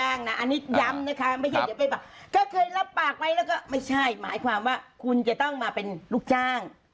ลูกจ้างนะอันนี้ย้ำนะคะก็เคยรับปากไว้แล้วก็ไม่ใช่หมายความว่าคุณจะต้องมาเป็นลูกจ้าง